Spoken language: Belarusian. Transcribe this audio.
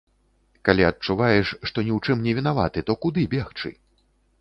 Калі адчуваеш, што ні ў чым не вінаваты, то куды бегчы?